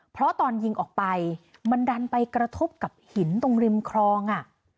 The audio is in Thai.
เพราะตอนยิงออกไปมันดันไปกระทบกับหินตรงริมคลอง